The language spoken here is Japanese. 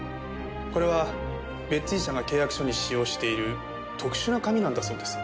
これはベッツィー社が契約書に使用している特殊な紙なんだそうです。